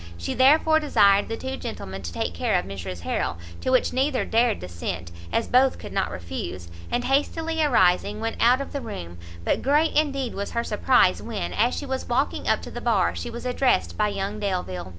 She therefore desired the two gentlemen to take care of Mrs Harrel, to which neither dared dissent, as both could not refuse, and hastily arising, went out of the room; but great indeed was her surprize when, as she was walking up to the bar, she was addressed by young Delvile!